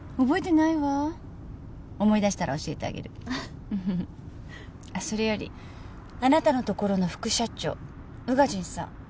覚えてないわ思い出したら教えてあげるあっそれよりあなたのところの副社長宇賀神さん